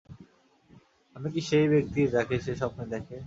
আমি কি সেই ব্যক্তি, যাকে সে স্বপ্নে দেখে?